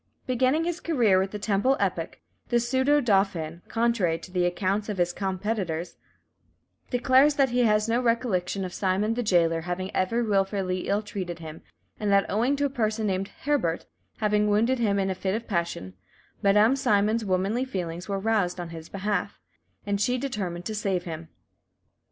Beginning his career with the Temple epoch, this pseudo dauphin, contrary to the accounts of his competitors, declares that he has no recollection of Simon the jailer having ever wilfully ill treated him, and that owing to a person named Hébert having wounded him in a fit of passion, Madame Simon's womanly feelings were aroused on his behalf, and she determined to save him.